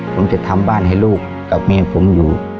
ผมจะทำบ้านให้ลูกกับเมียผมอยู่